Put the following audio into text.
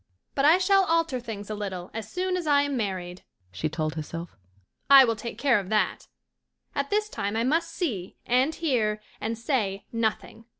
"But I shall alter things a little as soon as I am married," she told herself. "I will take care of that. At this time I must see, and hear, and say nothing.